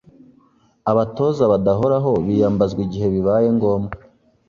Abatoza badahoraho biyambazwa igihe bibaye ngombwa.